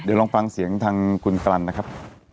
เดี๋ยวลองฟังเสียงทางคุณกลันนะครับ